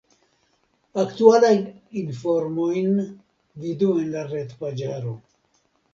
Aktualajn informojn vidu en la retpaĝaro.